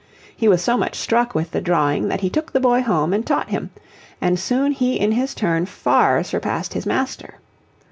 He was so much struck with the drawing that he took the boy home and taught him, and soon he in his turn far surpassed his master.